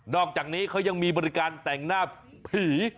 อกจากนี้เขายังมีบริการแต่งหน้าผี